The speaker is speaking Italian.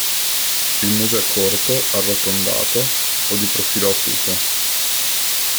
Il muso è corto, arrotondato o di profilo acuto.